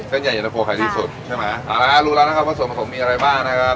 เส้นใหญ่เย็นตะโฟขายดีสุดใช่ไหมเอาละฮะรู้แล้วนะครับว่าส่วนผสมมีอะไรบ้างนะครับ